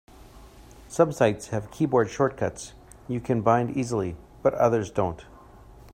Some sites have keyboard shortcuts you can bind easily, but others don't.